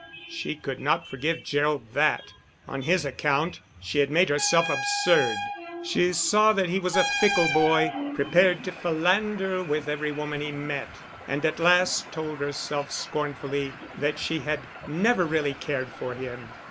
She could not forgive Gerald that, on his account, she had made herself absurd. She saw that he was a fickle boy, prepared to philander with every woman he met; and at last told herself scornfully that she had never really cared for him.